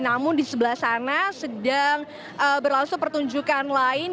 namun di sebelah sana sedang berlangsung pertunjukan lain